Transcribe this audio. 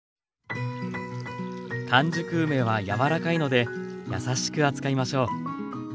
完熟梅は柔らかいので優しく扱いましょう。